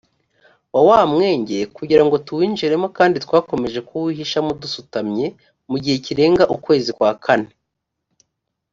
wa wa mwenge kugira ngo tuwinjiremo kandi twakomeje kuwihishamo dusutamye mu gihe kirenga ukwezi kwa kane